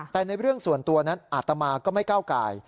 แต่ในเรื่องส่วนตัวนั้นอาตมาก็ไม่ก้าวกาย